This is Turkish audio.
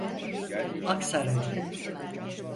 Aksaray'a!